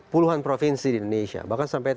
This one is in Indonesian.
puluhan provinsi di indonesia bahkan sampai